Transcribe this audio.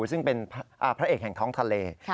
ซึ่งเป็นพระเอกแห่งท้องทะเล